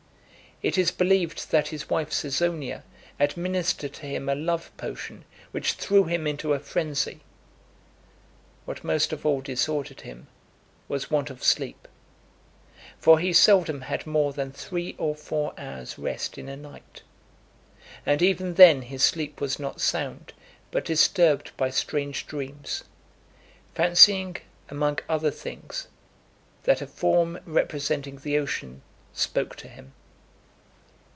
It is believed that his wife Caesonia administered to him a love potion which threw him into a frenzy. What most of all disordered him, was want of sleep, for he seldom had more than three or four hours' rest in a night; and even then his sleep was not sound, but disturbed by strange dreams; fancying, among other things, that a form representing the ocean spoke to him.